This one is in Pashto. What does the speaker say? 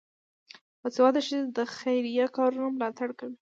باسواده ښځې د خیریه کارونو ملاتړ کوي.